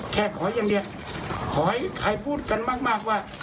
แค่ขอยังเดี๋ยวขอให้พูดกันมากว่า